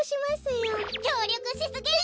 きょうりょくしすぎる！